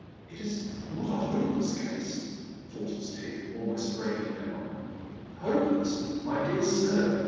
" It is not a hopeless case ?" falters Dick, almost breaking down. " Hopeless, my dear sir